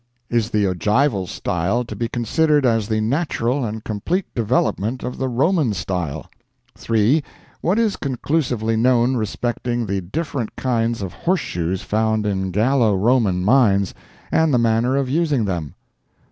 Is the ogival style to be considered as the natural and complete development of the Roman style? "3. What is conclusively known respecting the different kinds of horseshoes found in Gallo Roman mines, and the manner of using them?